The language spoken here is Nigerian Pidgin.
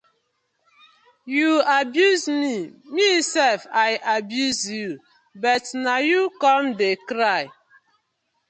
Yu abuse mi mi sef I abuse yu but na yu com de cry.